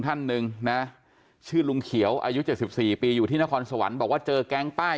ท่านหนึ่งนะชื่อลุงเขียวอายุ๗๔ปีอยู่ที่นครสวรรค์บอกว่าเจอแก๊งป้าย